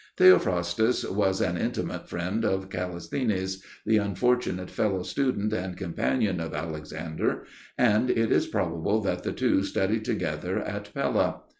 Theophrastus was an intimate friend of Callisthenes, the unfortunate fellow student and companion of Alexander, and it is probable that the two studied together at Pella.